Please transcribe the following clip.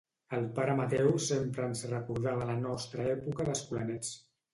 El pare Mateu sempre ens recordava la nostra època d'escolanets.